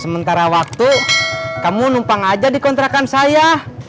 sementara waktu kamu numpang aja di kontrakan saya